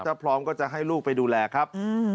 ถ้าพร้อมก็จะให้ลูกไปดูแลครับ